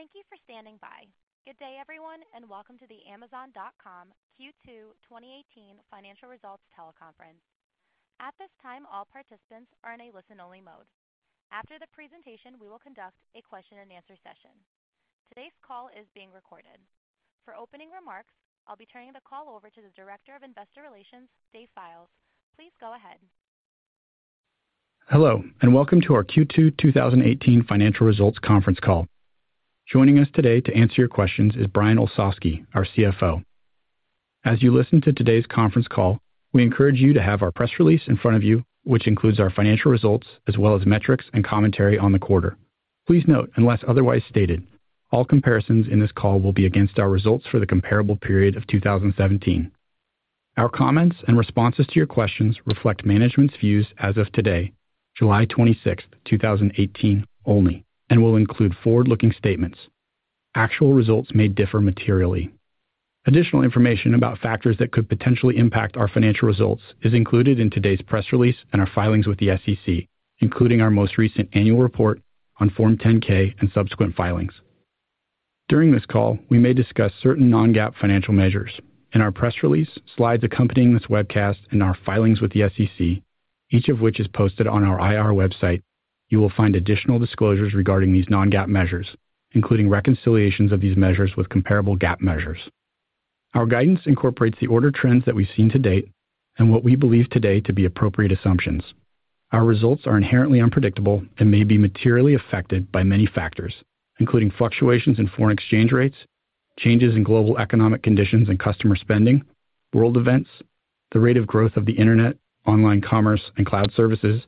Thank you for standing by. Good day everyone, welcome to the Amazon.com Q2 2018 financial results teleconference. At this time, all participants are in a listen-only mode. After the presentation, we will conduct a question and answer session. Today's call is being recorded. For opening remarks, I'll be turning the call over to the Director of Investor Relations, Dave Fildes. Please go ahead. Hello, welcome to our Q2 2018 financial results conference call. Joining us today to answer your questions is Brian Olsavsky, our CFO. As you listen to today's conference call, we encourage you to have our press release in front of you, which includes our financial results as well as metrics and commentary on the quarter. Please note, unless otherwise stated, all comparisons in this call will be against our results for the comparable period of 2017. Our comments and responses to your questions reflect management's views as of today, July 26th, 2018, only. Will include forward-looking statements. Actual results may differ materially. Additional information about factors that could potentially impact our financial results is included in today's press release and our filings with the SEC, including our most recent annual report on Form 10-K and subsequent filings. During this call, we may discuss certain non-GAAP financial measures. In our press release, slides accompanying this webcast and our filings with the SEC, each of which is posted on our IR website, you will find additional disclosures regarding these non-GAAP measures, including reconciliations of these measures with comparable GAAP measures. Our guidance incorporates the order trends that we've seen to date, what we believe today to be appropriate assumptions. Our results are inherently unpredictable and may be materially affected by many factors, including fluctuations in foreign exchange rates, changes in global economic conditions, customer spending, world events, the rate of growth of the Internet, online commerce, cloud services,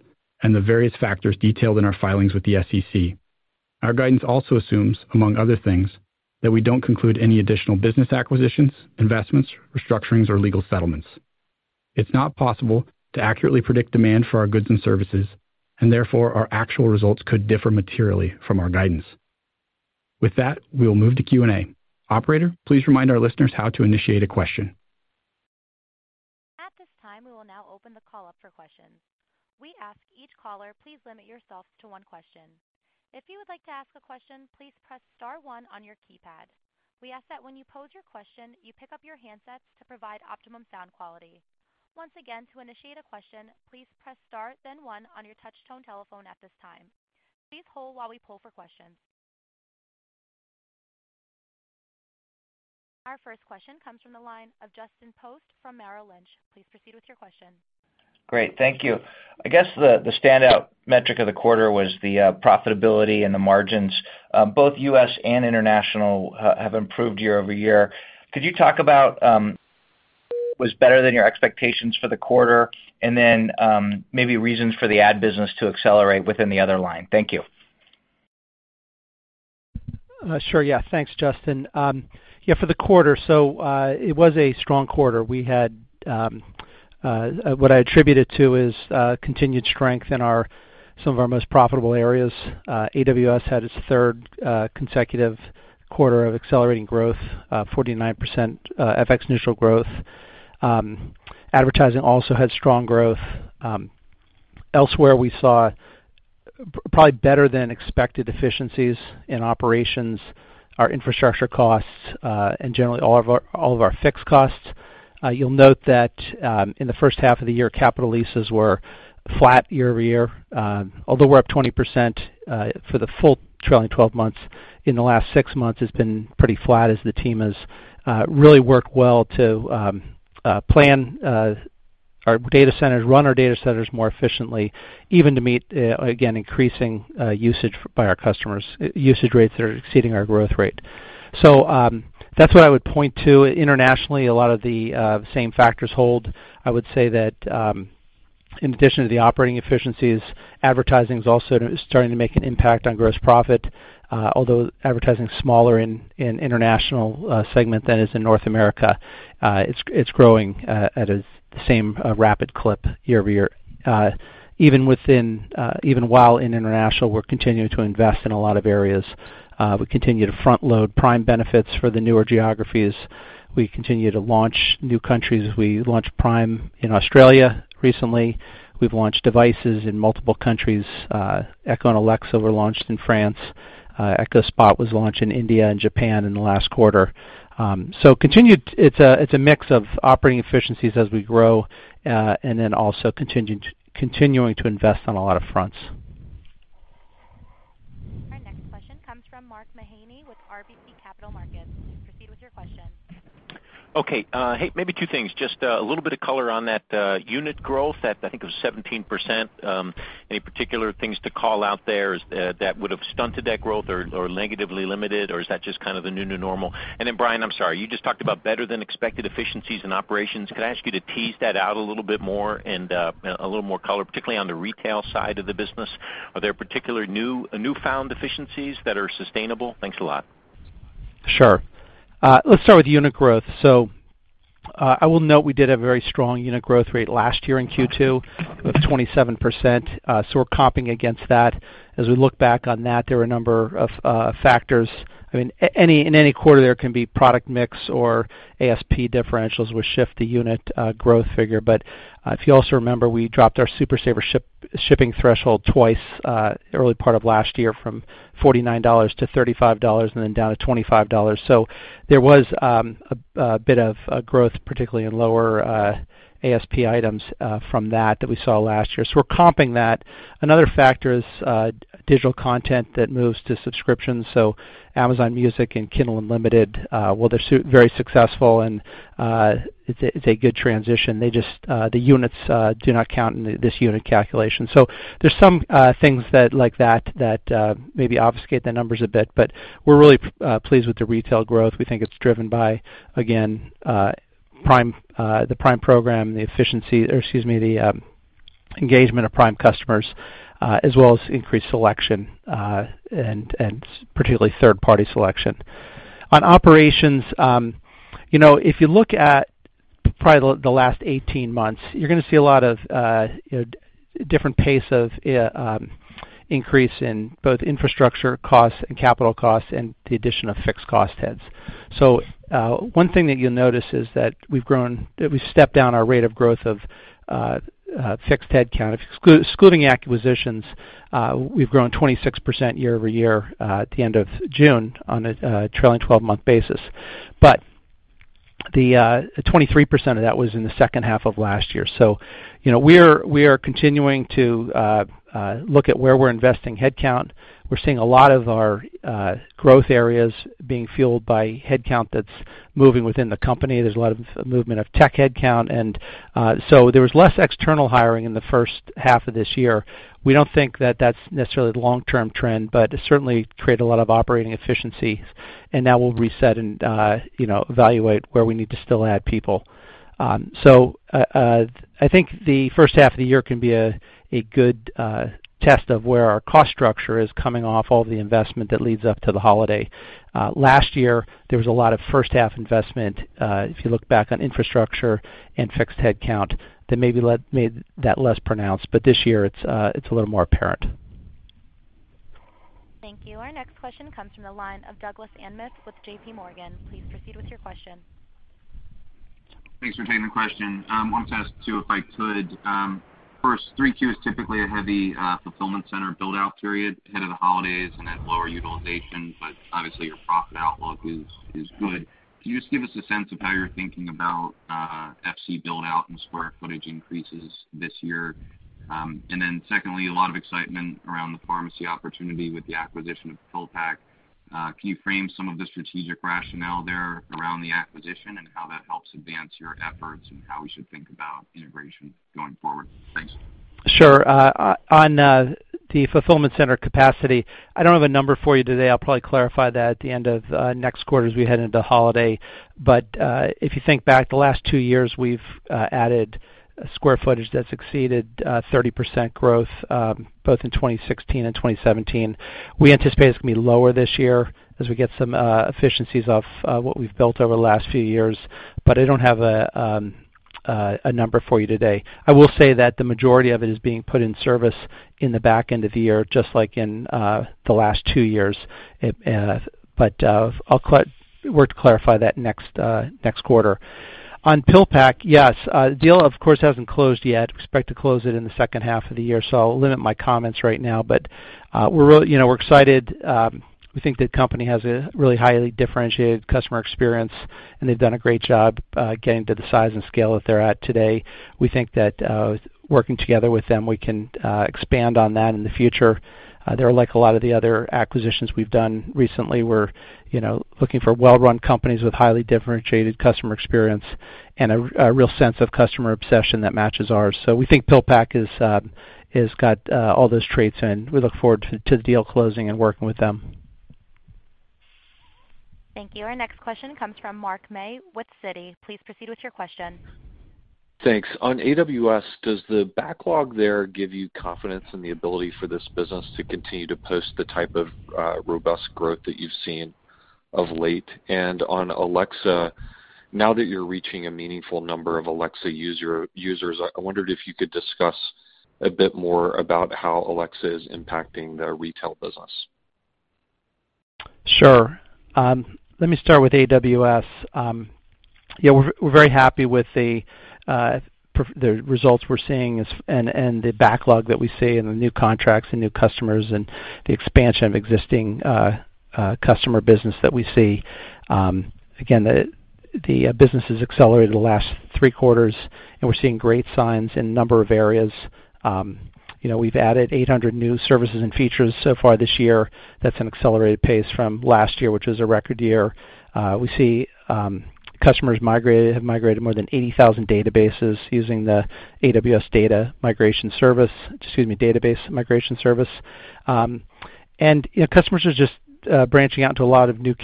the various factors detailed in our filings with the SEC. Our guidance also assumes, among other things, that we don't conclude any additional business acquisitions, investments, restructurings, or legal settlements. It's not possible to accurately predict demand for our goods and services, therefore, our actual results could differ materially from our guidance. With that, we will move to Q&A. Operator, please remind our listeners how to initiate a question. At this time, we will now open the call up for questions. We ask each caller, please limit yourself to one question. If you would like to ask a question, please press star one on your keypad. We ask that when you pose your question, you pick up your handsets to provide optimum sound quality. Once again, to initiate a question, please press star then one on your touchtone telephone at this time. Please hold while we poll for questions. Our first question comes from the line of Justin Post from Merrill Lynch. Please proceed with your question. Great. Thank you. I guess the standout metric of the quarter was the profitability and the margins, both U.S. and international, have improved year-over-year. Could you talk about, was better than your expectations for the quarter, and then maybe reasons for the ad business to accelerate within the other line? Thank you. Sure. Yeah, thanks, Justin. Yeah, for the quarter, it was a strong quarter. We had, what I attribute it to is continued strength in some of our most profitable areas. AWS had its third consecutive quarter of accelerating growth, 49% FX-neutral growth. Advertising also had strong growth. Elsewhere, we saw probably better than expected efficiencies in operations, our infrastructure costs, and generally all of our fixed costs. You'll note that in the first half of the year, capital leases were flat year-over-year. Although we're up 20% for the full trailing 12 months, in the last six months, it's been pretty flat as the team has really worked well to plan our data centers, run our data centers more efficiently, even to meet, again, increasing usage by our customers, usage rates that are exceeding our growth rate. That's what I would point to. Internationally, a lot of the same factors hold. I would say that, in addition to the operating efficiencies, advertising's also starting to make an impact on gross profit. Although advertising is smaller in international segment than it is in North America, it's growing at a same rapid clip year-over-year. Even while in international, we're continuing to invest in a lot of areas. We continue to front-load Prime benefits for the newer geographies. We continue to launch new countries. We launched Prime in Australia recently. We've launched devices in multiple countries. Echo and Alexa were launched in France. Echo Spot was launched in India and Japan in the last quarter. It's a mix of operating efficiencies as we grow, and then also continuing to invest on a lot of fronts. Our next question comes from Mark Mahaney with RBC Capital Markets. Proceed with your question. Okay. Hey, maybe two things. Just a little bit of color on that unit growth that I think it was 17%. Any particular things to call out there that would have stunted that growth or negatively limited, or is that just kind of the new normal? Brian, I'm sorry. You just talked about better-than-expected efficiencies in operations. Could I ask you to tease that out a little bit more and a little more color, particularly on the retail side of the business? Are there particular newfound efficiencies that are sustainable? Thanks a lot. Sure. Let's start with unit growth. I will note we did a very strong unit growth rate last year in Q2 of 27%. We're comping against that. As we look back on that, there were a number of factors. In any quarter, there can be product mix or ASP differentials which shift the unit growth figure. If you also remember, we dropped our Super Saver Shipping threshold twice, early part of last year from $49 to $35, and then down to $25. There was a bit of growth, particularly in lower ASP items from that we saw last year. We're comping that. Another factor is digital content that moves to subscriptions, Amazon Music and Kindle Unlimited, while they're very successful and it's a good transition, the units do not count in this unit calculation. There's some things like that maybe obfuscate the numbers a bit. We're really pleased with the retail growth. We think it's driven by, again the Prime program, the engagement of Prime customers, as well as increased selection, and particularly third-party selection. On operations, if you look at probably the last 18 months, you're going to see a lot of different pace of increase in both infrastructure costs and capital costs, and the addition of fixed cost heads. One thing that you'll notice is that we've stepped down our rate of growth of fixed head count. Excluding acquisitions, we've grown 26% year-over-year at the end of June on a trailing 12-month basis. 23% of that was in the second half of last year. We are continuing to look at where we're investing head count. We're seeing a lot of our growth areas being fueled by head count that's moving within the company. There's a lot of movement of tech head count, there was less external hiring in the first half of this year. We don't think that that's necessarily the long-term trend, but it certainly created a lot of operating efficiencies, and now we'll reset and evaluate where we need to still add people. I think the first half of the year can be a good test of where our cost structure is coming off all the investment that leads up to the holiday. Last year, there was a lot of first-half investment. If you look back on infrastructure and fixed head count, that maybe made that less pronounced. This year it's a little more apparent. Thank you. Our next question comes from the line of Doug Anmuth with J.P. Morgan. Please proceed with your question. Thanks for taking the question. One test too, if I could. First, 3Q is typically a heavy fulfillment center build-out period ahead of the holidays and at lower utilization, but obviously your profit outlook is good. Can you just give us a sense of how you're thinking about FC build-out and square footage increases this year? Then secondly, a lot of excitement around the pharmacy opportunity with the acquisition of PillPack. Can you frame some of the strategic rationale there around the acquisition, and how that helps advance your efforts, and how we should think about integration going forward? Thanks. Sure. On the fulfillment center capacity, I don't have a number for you today. I'll probably clarify that at the end of next quarter as we head into holiday. If you think back the last two years, we've added square footage that's exceeded 30% growth both in 2016 and 2017. We anticipate it's going to be lower this year as we get some efficiencies off what we've built over the last few years. I don't have a number for you today. I will say that the majority of it is being put in service in the back end of the year, just like in the last two years. I work to clarify that next quarter. On PillPack, yes, the deal, of course, hasn't closed yet. We expect to close it in the second half of the year, so I'll limit my comments right now. We're excited. We think the company has a really highly differentiated customer experience, and they've done a great job getting to the size and scale that they're at today. We think that working together with them, we can expand on that in the future. They're like a lot of the other acquisitions we've done recently. We're looking for well-run companies with highly differentiated customer experience and a real sense of customer obsession that matches ours. We think PillPack has got all those traits, and we look forward to the deal closing and working with them. Thank you. Our next question comes from Mark May with Citi. Please proceed with your question. Thanks. On AWS, does the backlog there give you confidence in the ability for this business to continue to post the type of robust growth that you've seen of late? On Alexa, now that you're reaching a meaningful number of Alexa users, I wondered if you could discuss a bit more about how Alexa is impacting the retail business. Sure. Let me start with AWS. We're very happy with the results we're seeing, and the backlog that we see, and the new contracts and new customers, and the expansion of existing customer business that we see. Again, the business has accelerated the last three quarters, and we're seeing great signs in a number of areas. We've added 800 new services and features so far this year. That's an accelerated pace from last year, which was a record year. We see customers have migrated more than 80,000 databases using the AWS Database Migration Service. Customers are just branching out into a lot of new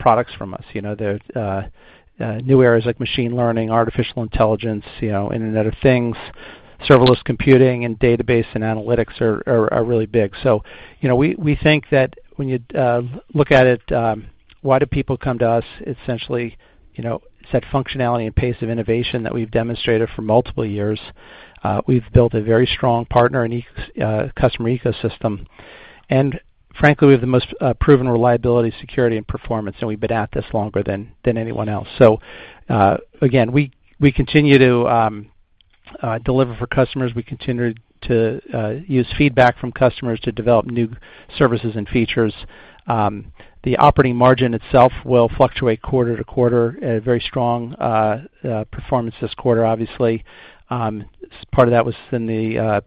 products from us. There are new areas like machine learning, artificial intelligence, Internet of Things, Serverless computing and database and analytics are really big. We think that when you look at it, why do people come to us? Essentially, it's that functionality and pace of innovation that we've demonstrated for multiple years. We've built a very strong partner and customer ecosystem. Frankly, we have the most proven reliability, security, and performance, and we've been at this longer than anyone else. Again, we continue to deliver for customers. We continue to use feedback from customers to develop new services and features. The operating margin itself will fluctuate quarter to quarter. A very strong performance this quarter, obviously. Part of that was in the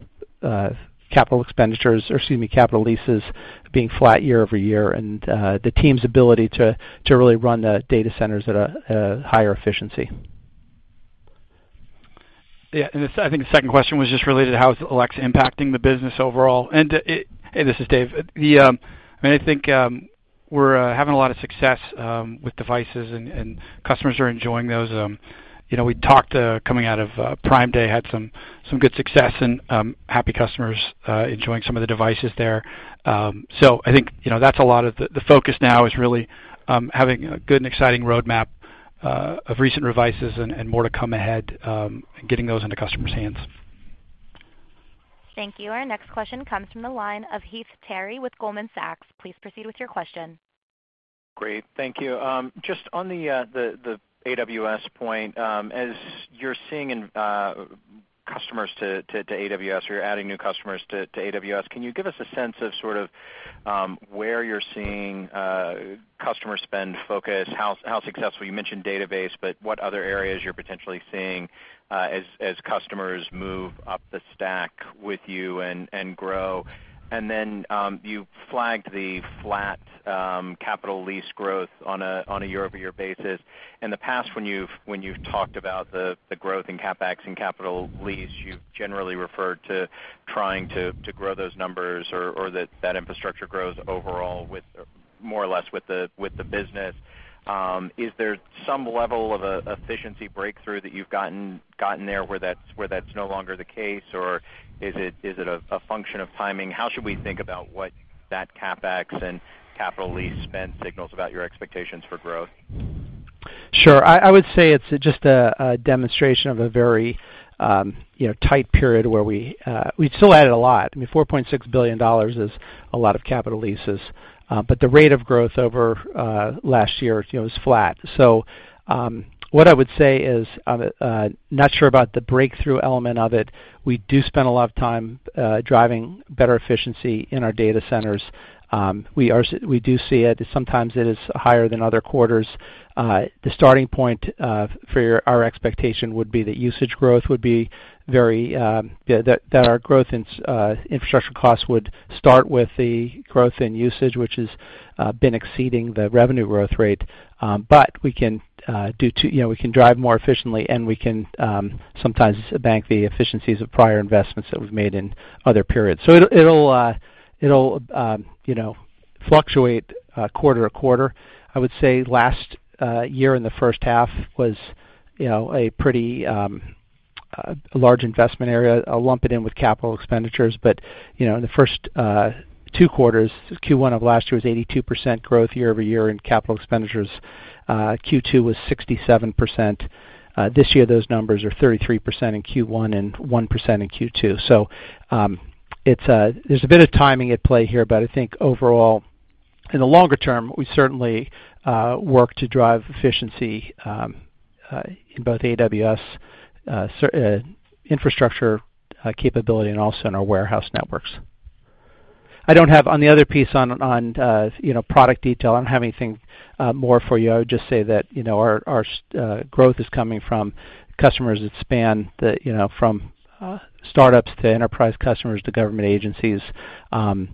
capital expenditures, or excuse me, capital leases being flat year-over-year, and the team's ability to really run the data centers at a higher efficiency. Yeah. I think the second question was just related to how is Alexa impacting the business overall? Hey, this is Dave. I think we're having a lot of success with devices, and customers are enjoying those. We talked coming out of Prime Day, had some good success and happy customers enjoying some of the devices there. I think the focus now is really having a good and exciting roadmap of recent devices and more to come ahead, getting those into customers' hands. Thank you. Our next question comes from the line of Heath Terry with Goldman Sachs. Please proceed with your question. Great. Thank you. Just on the AWS point, as you're seeing customers to AWS, or you're adding new customers to AWS, can you give us a sense of sort of where you're seeing customer spend focus? How successful, you mentioned database, but what other areas you're potentially seeing as customers move up the stack with you and grow? Then you flagged the flat capital lease growth on a year-over-year basis. In the past, when you've talked about the growth in CapEx and capital lease, you've generally referred to trying to grow those numbers or that infrastructure grows overall more or less with the business. Is there some level of efficiency breakthrough that you've gotten there where that's no longer the case, or is it a function of timing? How should we think about what that CapEx and capital lease spend signals about your expectations for growth? Sure. I would say it's just a demonstration of a very tight period where We still added a lot. I mean, $4.6 billion is a lot of capital leases. The rate of growth over last year is flat. What I would say is, I'm not sure about the breakthrough element of it. We do spend a lot of time driving better efficiency in our data centers. We do see it, sometimes it is higher than other quarters. The starting point for our expectation would be the usage growth would be that our growth in infrastructure costs would start with the growth in usage, which has been exceeding the revenue growth rate. We can drive more efficiently, and we can sometimes bank the efficiencies of prior investments that we've made in other periods. It'll fluctuate quarter to quarter. I would say last year in the first half was a pretty large investment area. I'll lump it in with capital expenditures. In the first two quarters, Q1 of last year was 82% growth year-over-year in capital expenditures. Q2 was 67%. This year, those numbers are 33% in Q1 and 1% in Q2. There's a bit of timing at play here, I think overall, in the longer term, we certainly work to drive efficiency in both AWS infrastructure capability and also in our warehouse networks. I don't have, on the other piece on product detail, I don't have anything more for you. I would just say that our growth is coming from customers that span from startups to enterprise customers to government agencies. They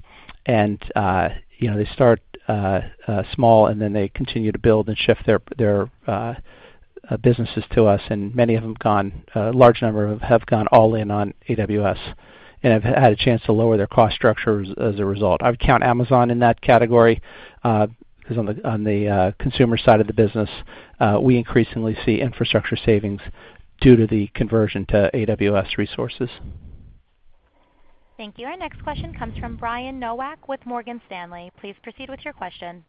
start small, they continue to build and shift their businesses to us, many of them, a large number of them have gone all in on AWS and have had a chance to lower their cost structures as a result. I would count Amazon in that category, because on the consumer side of the business, we increasingly see infrastructure savings due to the conversion to AWS resources. Thank you. Our next question comes from Brian Nowak with Morgan Stanley. Please proceed with your question.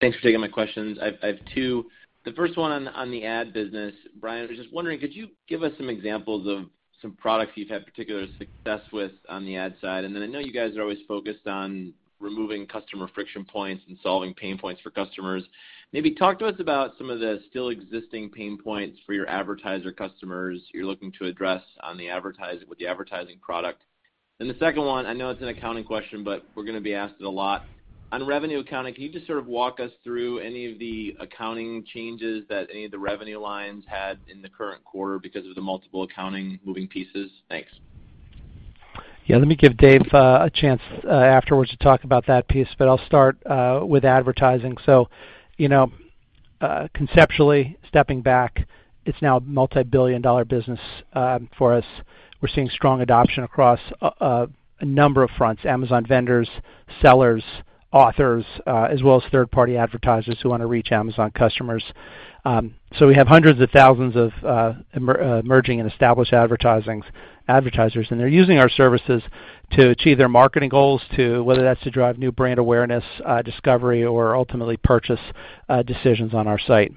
Thanks for taking my questions. I have two. The first one on the ad business, Brian, I was just wondering, could you give us some examples of some products you've had particular success with on the ad side? I know you guys are always focused on removing customer friction points and solving pain points for customers. Maybe talk to us about some of the still existing pain points for your advertiser customers you're looking to address with the advertising product. The second one, I know it's an accounting question, but we're going to be asked it a lot. On revenue accounting, can you just sort of walk us through any of the accounting changes that any of the revenue lines had in the current quarter because of the multiple accounting moving pieces? Thanks. Let me give Dave a chance afterwards to talk about that piece, but I'll start with advertising. Conceptually stepping back, it's now a multi-billion-dollar business for us. We're seeing strong adoption across a number of fronts, Amazon vendors, sellers, authors, as well as third-party advertisers who want to reach Amazon customers. We have hundreds of thousands of emerging and established advertisers, and they're using our services to achieve their marketing goals, whether that's to drive new brand awareness, discovery, or ultimately purchase decisions on our site.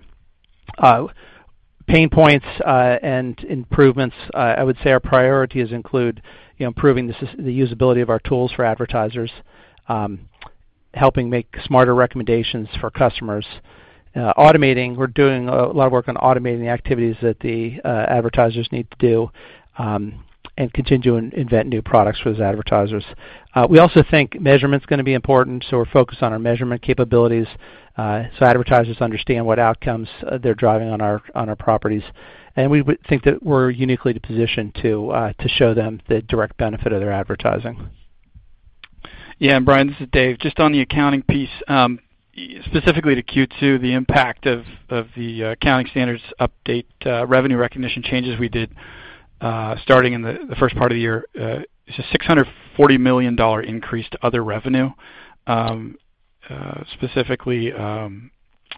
Pain points and improvements, I would say our priorities include improving the usability of our tools for advertisers, helping make smarter recommendations for customers. We're doing a lot of work on automating the activities that the advertisers need to do, and continue to invent new products for those advertisers. We also think measurement's going to be important, so we're focused on our measurement capabilities so advertisers understand what outcomes they're driving on our properties. We think that we're uniquely positioned to show them the direct benefit of their advertising. Yeah, Brian, this is Dave. Just on the accounting piece, specifically to Q2, the impact of the accounting standards update, revenue recognition changes we did starting in the first part of the year. It's a $640 million increase to other revenue, specifically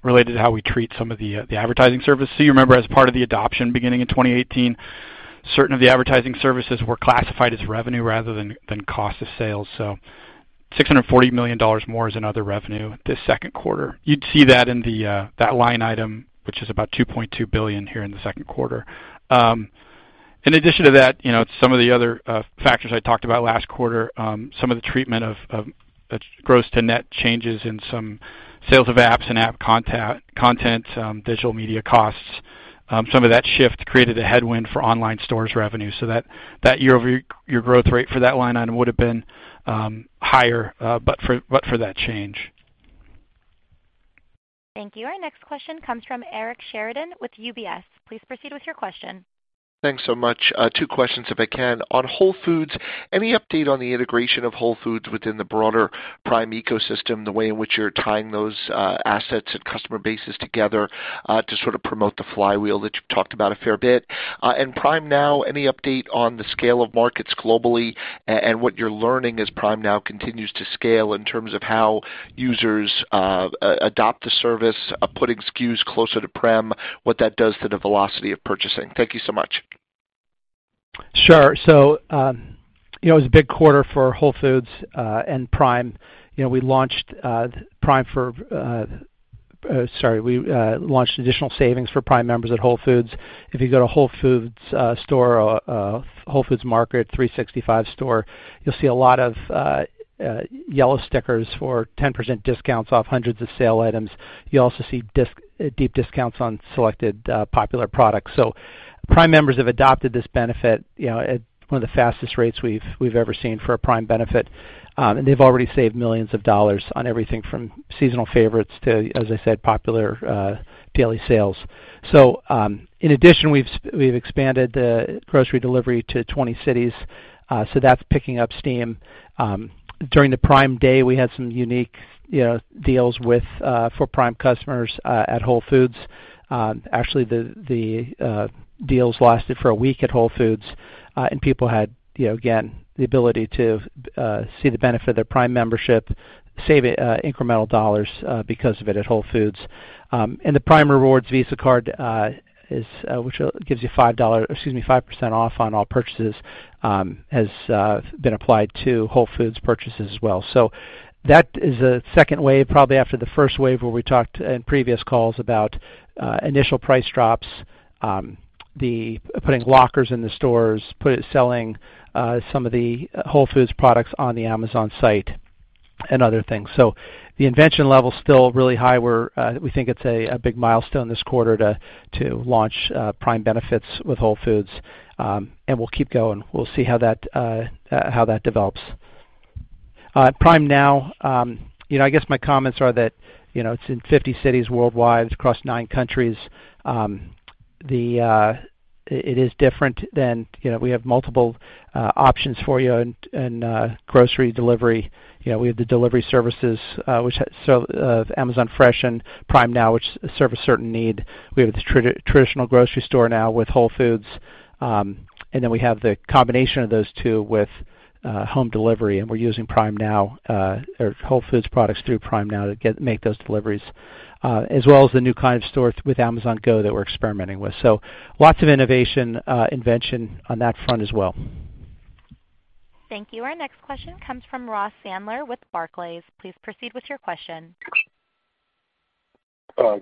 related to how we treat some of the advertising services. You remember, as part of the adoption beginning in 2018, certain of the advertising services were classified as revenue rather than cost of sales. $640 million more is in other revenue this second quarter. You'd see that in that line item, which is about $2.2 billion here in the second quarter. In addition to that, some of the other factors I talked about last quarter, some of the treatment of gross to net changes in some sales of apps and app content, digital media costs. Some of that shift created a headwind for online stores revenue. That year-over-year growth rate for that line item would've been higher but for that change. Thank you. Our next question comes from Eric Sheridan with UBS. Please proceed with your question. Thanks so much. Two questions, if I can. On Whole Foods, any update on the integration of Whole Foods within the broader Prime ecosystem, the way in which you're tying those assets and customer bases together to sort of promote the flywheel that you've talked about a fair bit? Prime Now, any update on the scale of markets globally and what you're learning as Prime Now continues to scale in terms of how users adopt the service, putting SKUs closer to prem, what that does to the velocity of purchasing? Thank you so much. It was a big quarter for Whole Foods and Prime. We launched additional savings for Prime members at Whole Foods. If you go to a Whole Foods store or a Whole Foods Market 365 store, you'll see a lot of yellow stickers for 10% discounts off hundreds of sale items. You also see deep discounts on selected popular products. Prime members have adopted this benefit at one of the fastest rates we've ever seen for a Prime benefit. They've already saved millions of dollars on everything from seasonal favorites to, as I said, popular daily sales. In addition, we've expanded the grocery delivery to 20 cities. That's picking up steam. During Prime Day, we had some unique deals for Prime customers at Whole Foods. Actually, the deals lasted for a week at Whole Foods, people had, again, the ability to see the benefit of their Prime membership, save incremental dollars because of it at Whole Foods. The Amazon Prime Rewards Visa Signature Card, which gives you 5% off on all purchases, has been applied to Whole Foods purchases as well. That is a second wave, probably after the first wave where we talked in previous calls about initial price drops, putting lockers in the stores, selling some of the Whole Foods products on the Amazon site, other things. The invention level's still really high. We think it's a big milestone this quarter to launch Prime benefits with Whole Foods, and we'll keep going. We'll see how that develops. Prime Now, I guess my comments are that it's in 50 cities worldwide, it's across nine countries. We have multiple options for you in grocery delivery. We have the delivery services, Amazon Fresh and Prime Now, which serve a certain need. We have the traditional grocery store now with Whole Foods. We have the combination of those two with home delivery, and we're using Whole Foods products through Prime Now to make those deliveries, as well as the new kind of store with Amazon Go that we're experimenting with. Lots of innovation, invention on that front as well. Thank you. Our next question comes from Ross Sandler with Barclays. Please proceed with your question.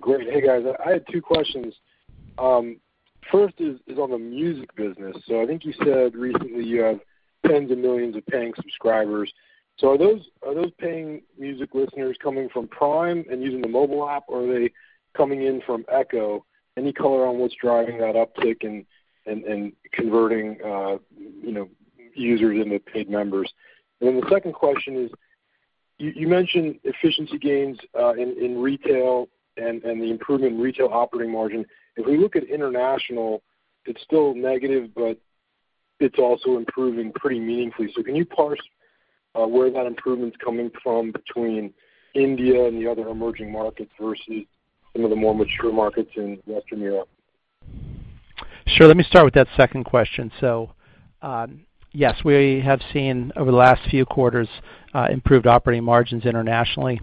Great. Hey, guys. I had two questions. First is on the music business. I think you said recently you have tens of millions of paying subscribers. Are those paying music listeners coming from Prime and using the mobile app, or are they coming in from Echo? Any color on what's driving that uptick in converting users into paid members? The second question is, you mentioned efficiency gains in retail and the improvement in retail operating margin. If we look at international, it's still negative, it's also improving pretty meaningfully. Can you parse where that improvement's coming from between India and the other emerging markets versus some of the more mature markets in Western Europe? Sure. Let me start with that second question. Yes. We have seen over the last few quarters, improved operating margins internationally.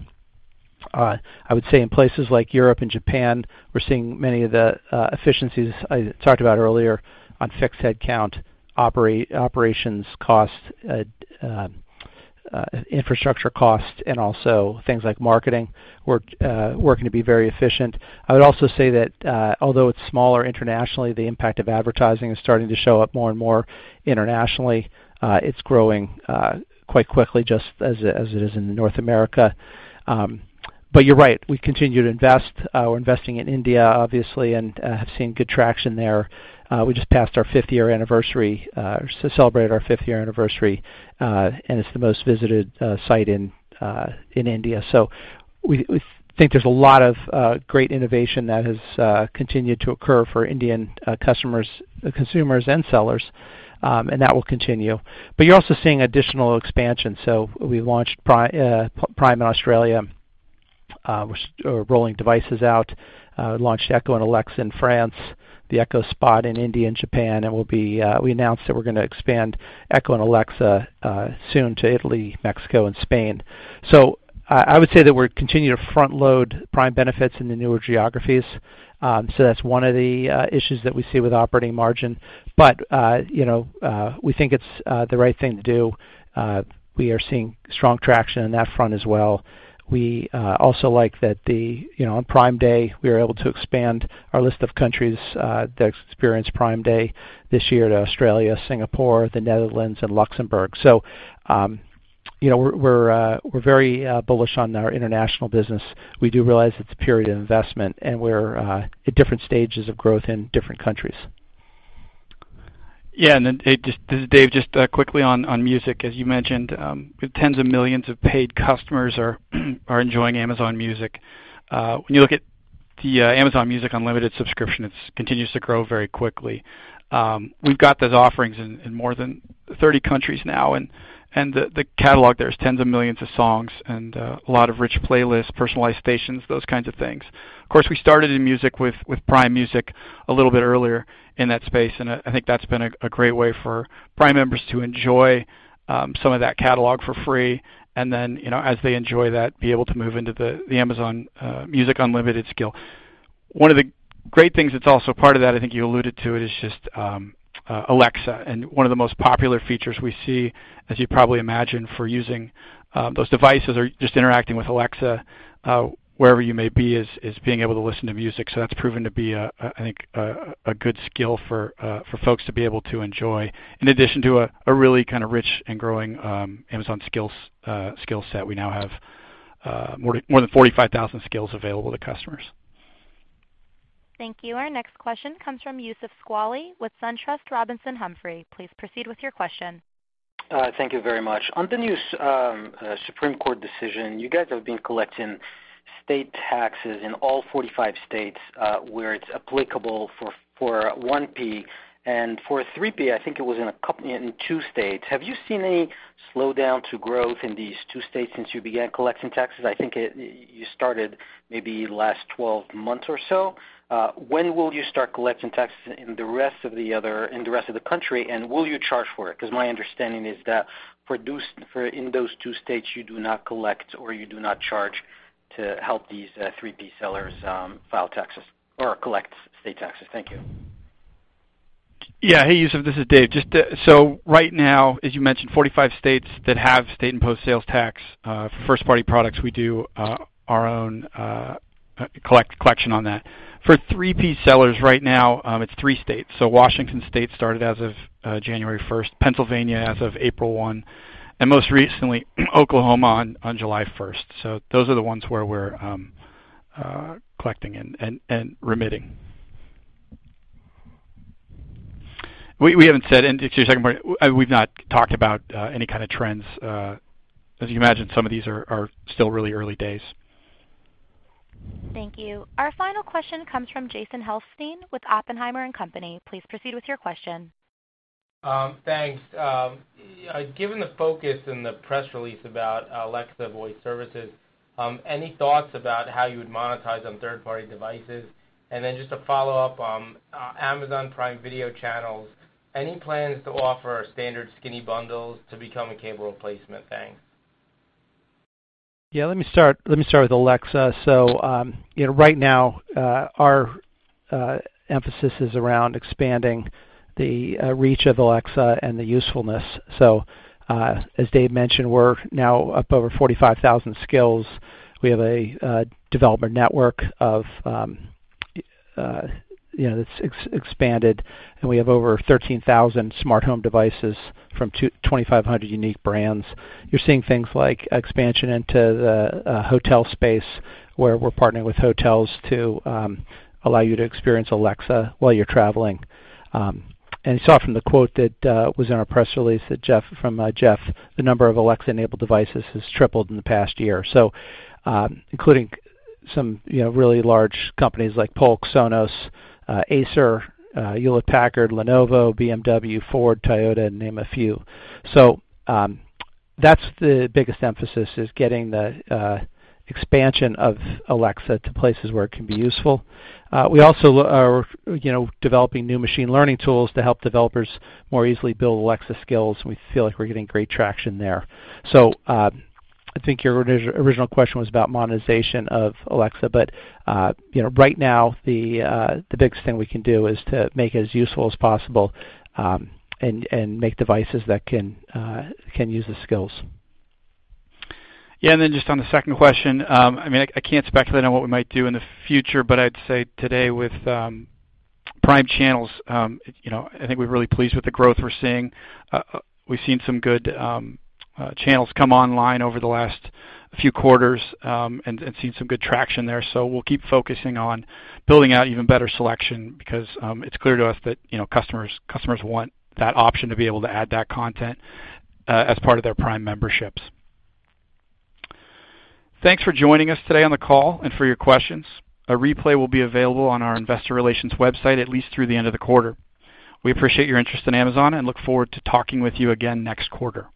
I would say in places like Europe and Japan, we're seeing many of the efficiencies I talked about earlier on fixed headcount, operations cost, infrastructure cost, and also things like marketing, working to be very efficient. I would also say that, although it's smaller internationally, the impact of advertising is starting to show up more and more internationally. It's growing quite quickly, just as it is in North America. You're right, we continue to invest. We're investing in India, obviously, and have seen good traction there. We just passed our fifth-year anniversary, celebrated our fifth-year anniversary, and it's the most visited site in India. We think there's a lot of great innovation that has continued to occur for Indian customers, consumers and sellers, and that will continue. You're also seeing additional expansion. We launched Prime in Australia, we're rolling devices out. We launched Echo and Alexa in France, the Echo Spot in India and Japan, and we announced that we're going to expand Echo and Alexa soon to Italy, Mexico and Spain. I would say that we're continuing to front-load Prime benefits in the newer geographies. That's one of the issues that we see with operating margin. We think it's the right thing to do. We are seeing strong traction on that front as well. We also like that on Prime Day, we are able to expand our list of countries that experience Prime Day this year to Australia, Singapore, the Netherlands and Luxembourg. We're very bullish on our international business. We do realize it's a period of investment, and we're at different stages of growth in different countries. Dave, just quickly on music, as you mentioned, tens of millions of paid customers are enjoying Amazon Music. When you look at the Amazon Music Unlimited subscription, it continues to grow very quickly. We've got those offerings in more than 30 countries now, and the catalog there is tens of millions of songs and a lot of rich playlists, personalized stations, those kinds of things. Of course, we started in music with Prime Music a little bit earlier in that space, and I think that's been a great way for Prime members to enjoy some of that catalog for free, and then, as they enjoy that, be able to move into the Amazon Music Unlimited skill. One of the great things that's also part of that, I think you alluded to it, is just Alexa. One of the most popular features we see, as you probably imagine, for using those devices or just interacting with Alexa, wherever you may be, is being able to listen to music. That's proven to be a good skill for folks to be able to enjoy. In addition to a really rich and growing Amazon skill set, we now have more than 45,000 skills available to customers. Thank you. Our next question comes from Youssef Squali with SunTrust Robinson Humphrey. Please proceed with your question. Thank you very much. On the new Supreme Court decision, you guys have been collecting state taxes in all 45 states, where it's applicable for 1P, and for 3P, I think it was in two states. Have you seen any slowdown to growth in these two states since you began collecting taxes? I think you started maybe last 12 months or so. When will you start collecting taxes in the rest of the country, and will you charge for it? Because my understanding is that in those two states, you do not collect, or you do not charge to help these 3P sellers file taxes or collect state taxes. Thank you. Yeah. Hey, Youssef, this is Dave. Right now, as you mentioned, 45 states that have state-imposed sales tax. For first-party products, we do our own collection on that. For 3P sellers right now, it's three states. Washington State started as of January 1st, Pennsylvania as of April 1, and most recently, Oklahoma on July 1st. Those are the ones where we're collecting and remitting. To your second point, we've not talked about any kind of trends. As you can imagine, some of these are still really early days. Thank you. Our final question comes from Jason Helfstein with Oppenheimer & Co.. Please proceed with your question. Thanks. Given the focus in the press release about Alexa Voice Service, any thoughts about how you would monetize on third-party devices? Just to follow up, Amazon Prime Video Channels, any plans to offer standard skinny bundles to become a cable replacement? Thanks. Yeah, let me start with Alexa. Right now, our emphasis is around expanding the reach of Alexa and the usefulness. As Dave mentioned, we're now up over 45,000 skills. We have a developer network that's expanded, and we have over 13,000 smart home devices from 2,500 unique brands. You're seeing things like expansion into the hotel space, where we're partnering with hotels to allow you to experience Alexa while you're traveling. You saw from the quote that was in our press release from Jeff, the number of Alexa-enabled devices has tripled in the past year. Including some really large companies like Polk, Sonos, Acer, Hewlett-Packard, Lenovo, BMW, Ford, Toyota, to name a few. That's the biggest emphasis, is getting the expansion of Alexa to places where it can be useful. We also are developing new machine learning tools to help developers more easily build Alexa skills, and we feel like we're getting great traction there. I think your original question was about monetization of Alexa, but right now the biggest thing we can do is to make it as useful as possible, and make devices that can use the skills. Just on the second question, I can't speculate on what we might do in the future, but I'd say today with Prime channels, I think we're really pleased with the growth we're seeing. We've seen some good channels come online over the last few quarters, and seen some good traction there. We'll keep focusing on building out even better selection because it's clear to us that customers want that option to be able to add that content as part of their Prime memberships. Thanks for joining us today on the call and for your questions. A replay will be available on our investor relations website at least through the end of the quarter. We appreciate your interest in Amazon and look forward to talking with you again next quarter.